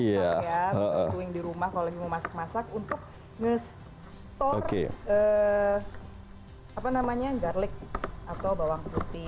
iya betul betul yang di rumah kalau lagi mau masak masak untuk nge store apa namanya garlic atau bawang putih